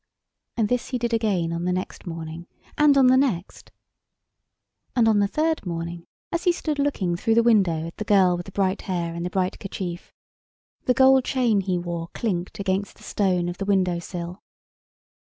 And this he did again on the next morning, and on the next. And on the third morning, as he stood looking through the window at the girl with the bright hair and the bright kerchief, the gold chain he wore clinked against the stone of the window sill.